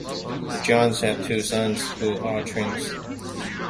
The Johns have two sons, who are twins.